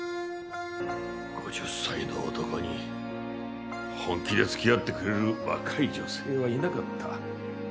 ５０歳の男に本気で付き合ってくれる若い女性はいなかった。